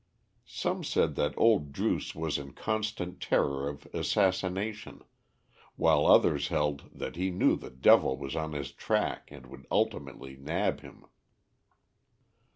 Some said that old Druce was in constant terror of assassination, while others held that he knew the devil was on his track and would ultimately nab him.